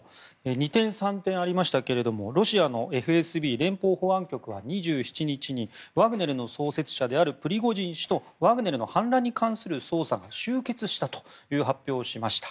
二転三転ありましたがロシアのＦＳＢ・連邦保安局は２７日、ワグネルの創設者であるプリゴジン氏とワグネルの反乱に関する捜査が終結したと発表をしました。